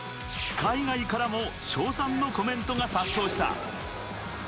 海外からも称賛のコメントが殺到した。